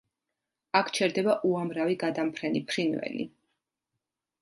აქ ჩერდება უამრავი გადამფრენი ფრინველი.